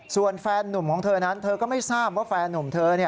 ส่วนแฟนนุ่มของเธอนั้นเธอก็ไม่ทราบว่าแฟนนุ่มเธอ